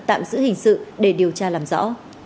tạm giữ hình sự để điều tra làm rõ